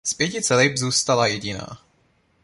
Z pětice lip zůstala jediná.